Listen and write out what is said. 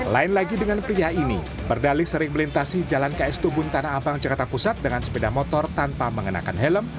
lain lagi dengan pria ini berdali sering melintasi jalan ks tubun tanah abang jakarta pusat dengan sepeda motor tanpa mengenakan helm